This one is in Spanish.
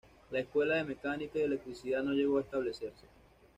La Escuela de Mecánica y Electricidad, no llegó a establecerse.